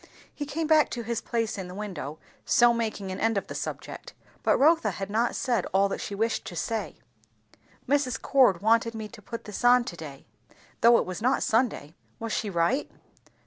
He came back to his place in the window, so making an end of the subject; but Rotha had not said all that she wished to say. "Mrs. Cord wanted me to put this on to day, though it was not Sunday; was she right?"